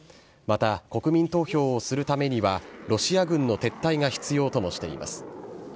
また、国民投票をするためには、ロシア軍の撤退が必要ともしています。